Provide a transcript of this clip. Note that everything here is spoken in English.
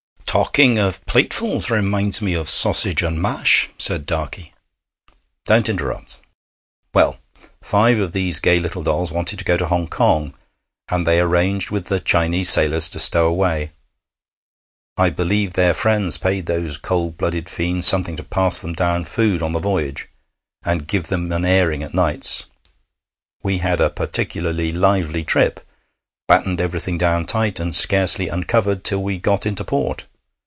'Talking of platefuls reminds me of sausage and mash,' said Darkey. 'Don't interrupt. Well, five of these gay little dolls wanted to go to Hong Kong, and they arranged with the Chinese sailors to stow away; I believe their friends paid those cold blooded fiends something to pass them down food on the voyage, and give them an airing at nights. We had a particularly lively trip, battened everything down tight, and scarcely uncovered till we got into port.